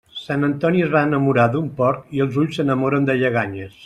Sant Antoni es va enamorar d'un porc i els ulls s'enamoren de lleganyes.